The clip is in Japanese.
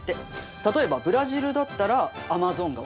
例えばブラジルだったらアマゾン川。